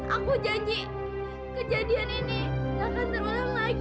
aku janji kejadian ini gak akan terulang lagi